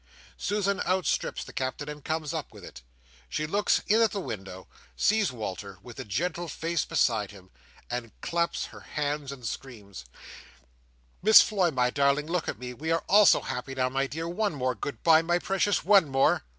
Susan outstrips the Captain, and comes up with it. She looks in at the window, sees Walter, with the gentle face beside him, and claps her hands and screams: "Miss Floy, my darling! look at me! We are all so happy now, dear! One more good bye, my precious, one more!"